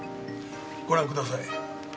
ご覧ください。